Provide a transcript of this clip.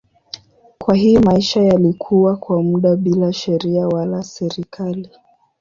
Kwa hiyo maisha yalikuwa kwa muda bila sheria wala serikali.